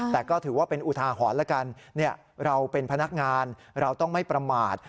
แต่ก็ถือว่าเป็นอุทาหรณ์แล้วกันเราเป็นพนักงานเราต้องไม่ประมาท